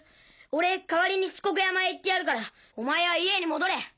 俺代わりに七国山へ行ってやるからお前は家に戻れ。